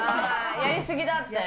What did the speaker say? やり過ぎだって。